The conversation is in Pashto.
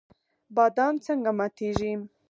بادام څنګه ماتیږي؟